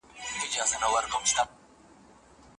هغه د پوهنتون له بریالیو محصلینو وه.